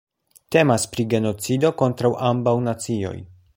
Temas pri genocido kontraŭ ambaŭ nacioj.